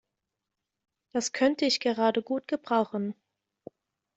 Das könnte ich gerade gut gebrauchen.